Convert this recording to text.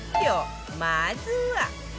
まずは